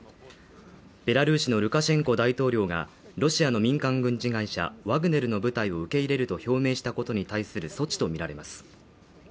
ベラルーシのルカシェンコ大統領がロシアの民間軍事会社ワグネルの部隊を受け入れると表明したことに対する措置とみられます。